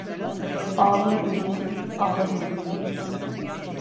Ağlama ölü için, ağla deli için.